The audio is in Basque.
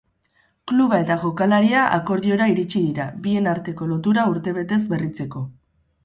Kluba eta jokalaria akordiora iritsi dira, bien arteko lotura urtebetez berritzeko.